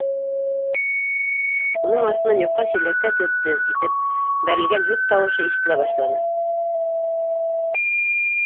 Уның артынан йоҡа силәккә тез-тез итеп бәрелгән һөт тауышы ишетелә башланы.